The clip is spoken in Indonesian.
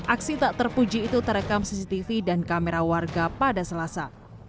aksi tak terpuji itu terekam cctv dan kamera warga pada selasa